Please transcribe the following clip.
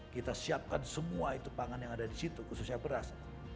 kita siapkan semua itu pangan yang ada di situ khususnya beras